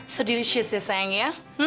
so delicious ya sayang ya